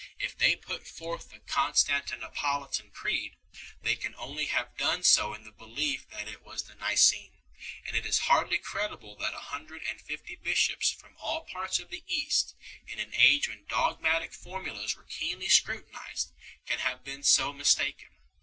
If they put forth the " Constantinopolitan " Creed, they can only have done so in the belief that it was the Nicene ; and it is hardly credible that a hundred and fifty bishops from all parts of the East, in an age when dogmatic formulas were keenly scrutinized, can have been so mis taken.